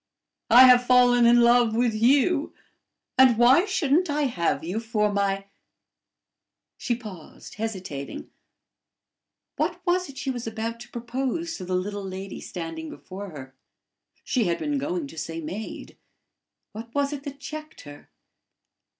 I have fallen in love with you; and why shouldn't I have you for my " She paused, hesitating: what was it she was about to propose to the little lady standing before her? She had been going to say maid: what was it that checked her?